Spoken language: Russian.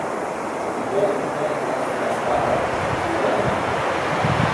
У тебя такая классная ава! Откуда она?